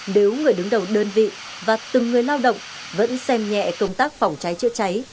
nếu người đứng đầu đơn vị và từng người lao động vẫn xem nhẹ công tác phòng trái trái trái